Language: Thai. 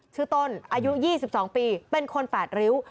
ชื่อต้นอายุ๒๒ปีเป็นคน๘ริ้ว